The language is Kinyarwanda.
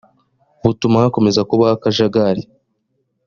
butuma hakomeza kubaho akajagari